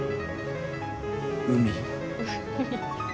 海。